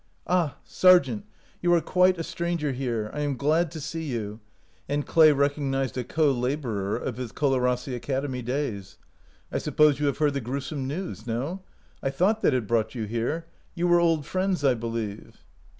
"Ah! Sargent, you are quite a stranger here. I am glad to see you," and Clay recognized a co laborer of his Colarrossi Academy days. "I suppose you have heard the gruesome news. No? I thought that had brought you here. You were old friends, I believe."